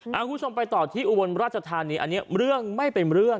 คุณผู้ชมไปต่อที่อุบลราชธานีอันนี้เรื่องไม่เป็นเรื่อง